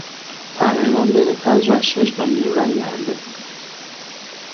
تقریبا بین پنج و شش میلیون رای دهنده